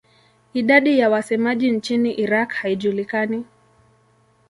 Idadi ya wasemaji nchini Iraq haijulikani.